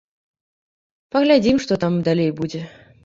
Паглядзім, што там далей будзе.